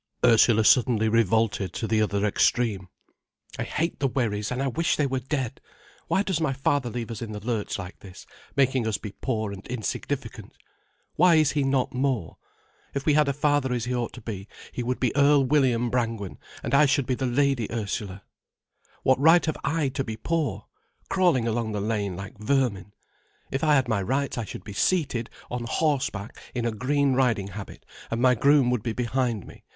Ursula suddenly revolted to the other extreme. "I hate the Wherrys, and I wish they were dead. Why does my father leave us in the lurch like this, making us be poor and insignificant? Why is he not more? If we had a father as he ought to be, he would be Earl William Brangwen, and I should be the Lady Ursula? What right have I to be poor? crawling along the lane like vermin? If I had my rights I should be seated on horseback in a green riding habit, and my groom would be behind me.